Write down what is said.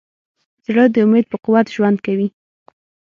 زړه د امید په قوت ژوند کوي.